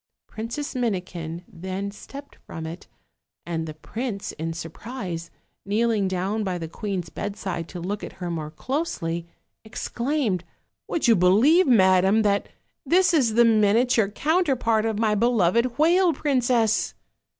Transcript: Princess Minikin then stepped from it, and the prince, in surprise, kneeling down by the queen's bedside to look at her more closely, ex claimed: "Would you believe, madam, that this is the miniature counterpart of my beloved whale princess!"